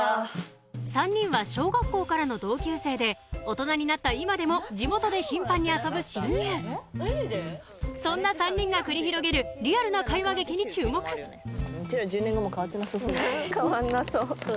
３人は小学校からの同級生で大人になった今でも地元で頻繁に遊ぶ親友そんな３人が繰り広げるリアルな会話劇に注目うちら１０年後も変わってなさそうだよね。